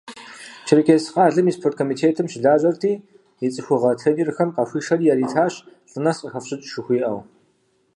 Черкесск къалэм и спорткомитетым щылажьэрти, и цӏыхугъэ тренерхэм къахуишэри яритащ, лӏы нэс къыхэфщӏыкӏ жыхуиӏэу.